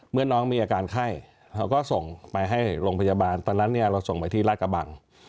เมื่อน้องมีอาการไข้เราก็ส่งไปให้โรงพยาบาลตอนนั้นเนี่ยเราส่งไปที่ราชกระบัง